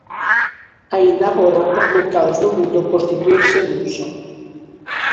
Aínda agora, os mercados do mundo constitúense nun só.